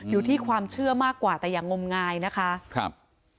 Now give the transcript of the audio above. อยู่ที่ความเชื่อมากกว่าแต่อย่างงมงายนะคะครับ